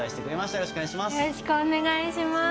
よろしくお願いします。